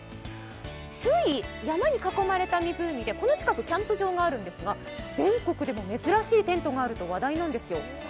周囲、山に囲まれた湖でこの近くキャンプ場があるんですが全国でも珍しいテントがあると話題なんですよ。